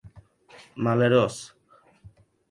Malerós!